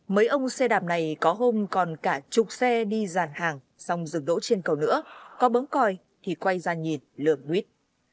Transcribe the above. mấy ông xe đạp này có hôm còn cả chục xe đi dàn hàng xong dừng đỗ trên cầu nữa có bấm coi thì quay ra nhìn lượm nguyết